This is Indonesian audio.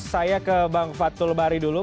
saya ke bang fatul bahri dulu